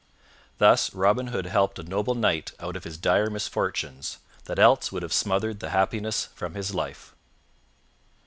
Thus Robin Hood helped a noble knight out of his dire misfortunes, that else would have smothered the happiness from his life.